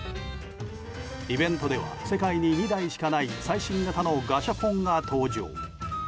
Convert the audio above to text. イベントでは世界に２台しかない最新型のガシャポンが登場。